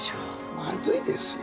まずいですよ。